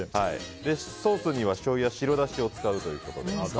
ソースには、しょうゆや白だしを使うということで。